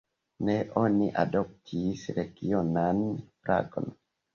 Ne oni adoptis regionan flagon.